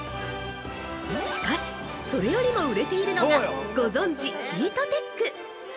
しかし、それよりも売れているのが、ご存じ「ヒートテック」。